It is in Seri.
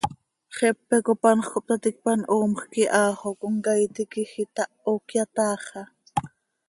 Xepe cop anxö cohptaticpan, hoomjc iha xo comcaii tiquij itaho, cöyataaxa.